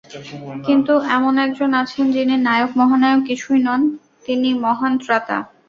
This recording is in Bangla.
কিন্তু এমন একজন আছেন যিনি নায়ক-মহানায়ক কিছুই নন, তিনি মহান ত্রাতা।